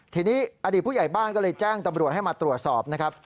ทีนี้อดีตผู้ใหญ่บ้านก็เลยแจ้งตำรวจให้มาตรวจสอบนะครับ